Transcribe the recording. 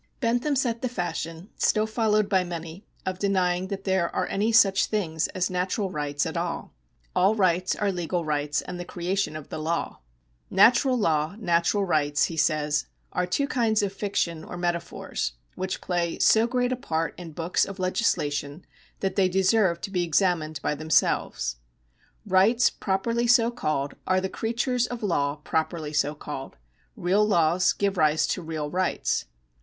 Bentham set the fashion, still followed by many, of denying that there are any such things as natural rights at all. All rights are legal rights and the creation of the law. " Natural law, natural rights," he says,^ " are two kinds of fictions or metaphors, which play so great a part in books of legisla tion, that they deserve to be examined by themselves. ... Rights properly so called are the creatures of law properly so called ; real laws give rise to real rights.